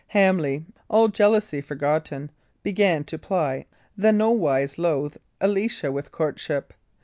Hamley, all jealousy forgotten, began to ply the nowise loth Alicia with courtship.